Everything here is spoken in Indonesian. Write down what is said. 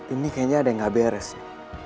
ini kayaknya ada yang gak beres ya